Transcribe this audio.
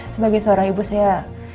sebagai seorang ibu saya